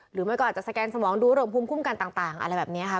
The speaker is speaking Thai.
มันก็อาจจะสแกนสมองดูโรงภูมิคุ้มกันต่างอะไรแบบนี้ค่ะ